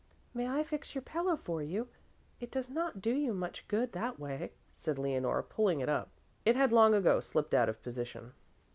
"May I fix your pillow for you? It does not do you much good that way," said Leonore, pulling it up. It had long ago slipped out of position.